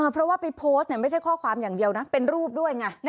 เพราะว่าไปโพสต์ไม่ใช่ข้อความอย่างเดียวนะเป็นรูปด้วยไง